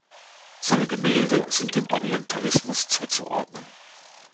Seine Gemälde sind dem Orientalismus zuzuordnen.